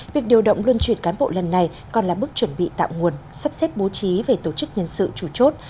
việc điều động luân truyền cán bộ lần này còn là bước chuẩn bị tạo nguồn sắp xếp bố trí về tổ chức nhân sự chủ chốt